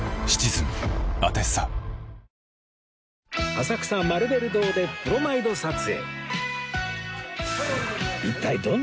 浅草マルベル堂でプロマイド撮影